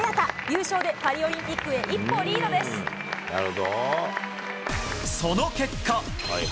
優勝でパリオリンピックへ、一歩リードその結果。